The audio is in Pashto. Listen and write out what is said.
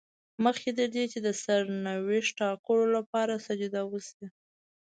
مخکې تر دې چې د سرنوشت ټاکلو لپاره سجده وشي.